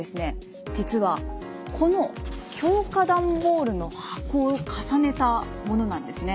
実はこの強化段ボールの箱を重ねたものなんですね。